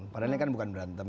padahal ini kan bukan berantem